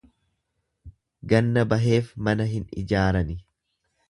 Ganna baheef mana hin ijaarani.